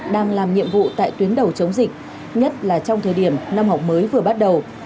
đang làm nhiệm vụ tại tuyến đầu chống dịch nhất là trong thời điểm năm học mới vừa bắt đầu